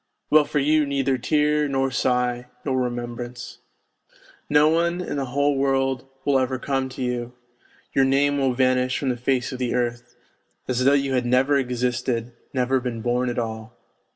While for you neither tear, nor sigh, nor remembrance ; no one in the whole world will ever come to you, your name will vanish from the 132 NOTES FROM UNDERGROUND face of the earth as though you had never existed, never been born at all